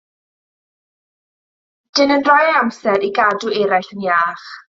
Dyn yn rhoi ei amser i gadw eraill yn iach.